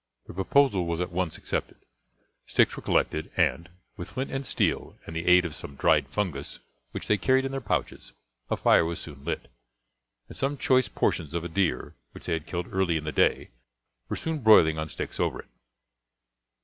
The proposal was at once accepted; sticks were collected, and, with flint and steel and the aid of some dried fungus which they carried in their pouches, a fire was soon lit, and some choice portions of a deer which they had killed early in the day were soon broiling on sticks over it.